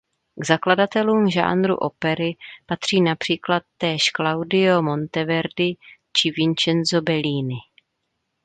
K zakladatelům žánru opery patří například též Claudio Monteverdi či Vincenzo Bellini.